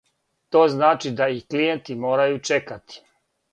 То значи да и клијенти морају чекати.